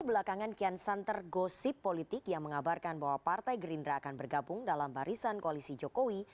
belakangan kian santer gosip politik yang mengabarkan bahwa partai gerindra akan bergabung dalam barisan koalisi jokowi